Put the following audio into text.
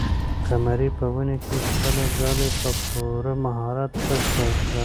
قمرۍ په ونې کې خپله ځالۍ په پوره مهارت بشپړه کړه.